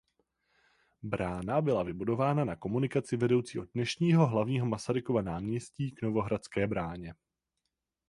Brána byla vybudována na komunikaci vedoucí od dnešního hlavního Masarykova náměstí k Novohradské bráně.